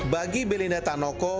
bagi belinda tanoko